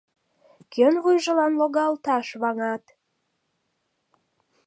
Кӧн вуйжылан логалташ ваҥат?